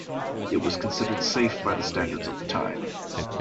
It was considered safe by the standards of the time.